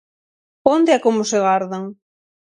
Onde e como se gardan?